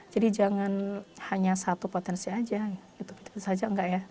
jadi jangan hanya satu potensi aja gitu saja nggak ya